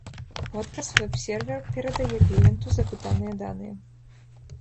У адказ вэб-сервер перадае кліенту запытаныя даныя.